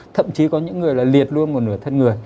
thậm chí có những người là liệt luôn một nửa thân người